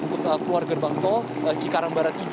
keluar gerbang tol cikarang barat tiga